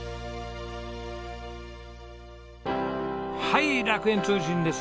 はい楽園通信です。